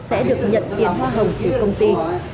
sẽ được nhận tiền hoa hồng từ công ty